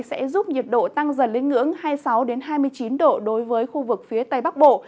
sẽ giúp nhiệt độ tăng dần lên ngưỡng hai mươi sáu hai mươi chín độ đối với khu vực phía tây bắc bộ